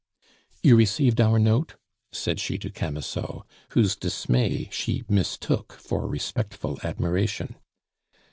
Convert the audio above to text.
"You received our note?" said she to Camusot, whose dismay she mistook for respectful admiration.